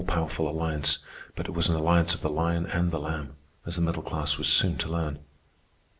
It was an all powerful alliance, but it was an alliance of the lion and the lamb, as the middle class was soon to learn.